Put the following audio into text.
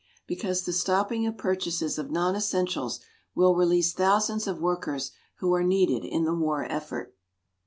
Because the stopping of purchases of non essentials will release thousands of workers who are needed in the war effort.